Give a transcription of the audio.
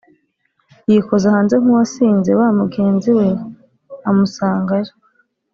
yikoza hanze nkuwasinze wa mugenzi we amusangayo